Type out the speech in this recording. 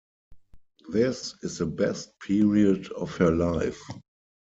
This is the best period of her life.